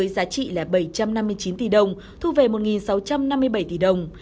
giá trị là bảy trăm năm mươi chín tỷ đồng thu về một sáu trăm năm mươi bảy tỷ đồng